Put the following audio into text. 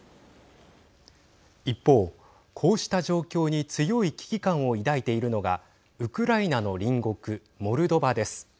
一方、こうした状況に強い危機感を抱いているのがウクライナの隣国モルドバです。